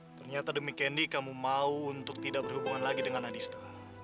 ternyata demikiandi kamu mau untuk tidak berhubungan lagi dengan adista